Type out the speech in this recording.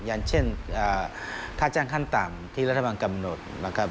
อย่างเช่นค่าจ้างขั้นต่ำที่รัฐบาลกำหนดนะครับ